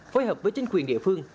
phối hợp với chính quyền địa phương